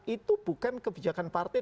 itu bukan kebijakan partai